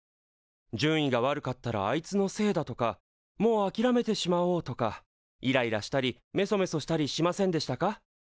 「順位が悪かったらあいつのせいだ」とか「もうあきらめてしまおう」とかイライラしたりめそめそしたりしませんでしたか？